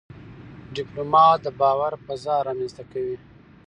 ډيپلومات د باور فضا رامنځته کوي.